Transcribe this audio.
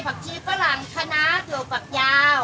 ผักชีฝรั่งขนาศนถั่วปากยาว